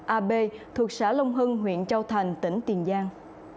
a b thuộc xã long hưng huyện châu thành tỉnh tiền giang